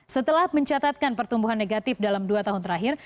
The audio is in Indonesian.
setelah mencatatkan pertumbuhan negatif dalam dua tahun terakhir